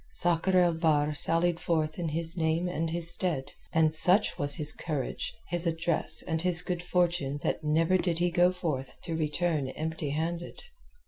Sakr el Bahr sallied forth in his name and his stead, and such was his courage, his address, and his good fortune that never did he go forth to return empty handed.